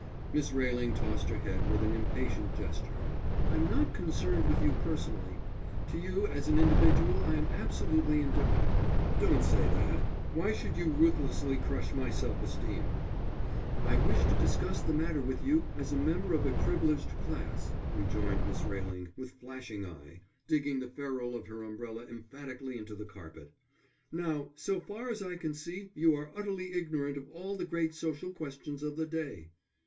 Miss Railing tossed her head with an impatient gesture. "I'm not concerned with you personally. To you as an individual I am absolutely indifferent." "Don't say that. Why should you ruthlessly crush my self esteem?" "I wish to discuss the matter with you as a member of a privileged class," rejoined Miss Railing, with flashing eye, digging the ferule of her umbrella emphatically into the carpet. "Now, so far as I can see you are utterly ignorant of all the great social questions of the day."